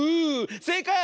せいかい！